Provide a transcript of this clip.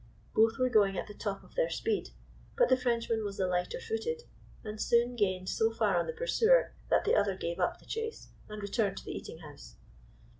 Both were going at the top of their speed ; but the Frenchman was the lighter footed, and soon gained so far on the pursuer that the other gave up the chase and returned to the eating house.